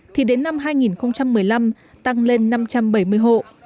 thì đến năm hai nghìn một mươi năm tăng lên năm trăm bảy mươi hộ